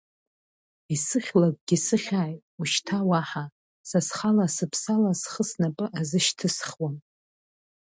Исыхьлакгьы сыхьааит, ушьҭа уаҳа, са схала-сыԥсала схы снапы азышьҭысхуам!